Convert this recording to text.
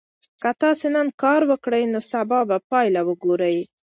که تاسي نن کار وکړئ نو سبا به پایله وګورئ.